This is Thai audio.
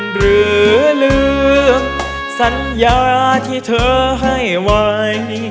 หรือลืมสัญญาที่เธอให้ไว้